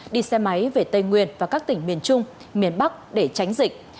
đi xe máy về tây nguyên và các tỉnh miền trung miền bắc để tránh dịch